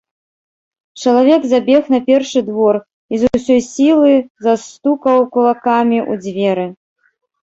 Чалавек забег на першы двор і з усёй сілы застукаў кулакамі ў дзверы.